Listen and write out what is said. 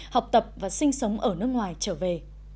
học tập và sinh sống ở nước ngoài trở về